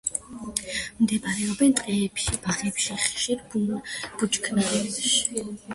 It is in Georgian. ბინადრობენ ტყეებში, ბაღებში, ხშირ ბუჩქნარებში.